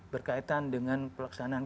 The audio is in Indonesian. berkaitan dengan pelaksanaan